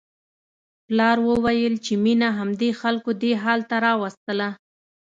پلار وویل چې مينه همدې خلکو دې حال ته راوستله